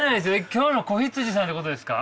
今日の子羊さんってことですか？